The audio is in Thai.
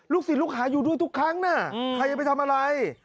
ศิลปลูกหาอยู่ด้วยทุกครั้งน่ะใครจะไปทำอะไร